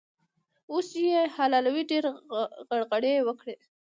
اوښ چې يې حلالوی؛ ډېرې غرغړې يې وکړې.